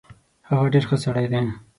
هغه ډیر خه سړی دی